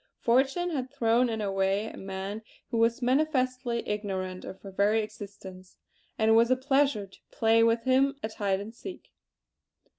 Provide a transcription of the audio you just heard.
Fortune had thrown in her way a man who was manifestly ignorant of her very existence; and it was a pleasure to play with him at hide and seek!